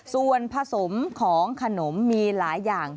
ส่วนผสมของขนมมีหลายอย่าง